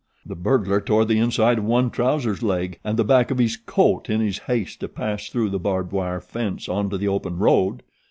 The burglar tore the inside of one trousers' leg and the back of his coat in his haste to pass through the barbed wire fence onto the open road.